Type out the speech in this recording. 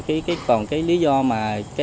còn cái lý do mà